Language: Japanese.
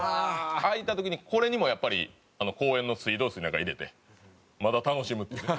空いた時にこれにもやっぱり公園の水道水中に入れてまだ楽しむっていうね。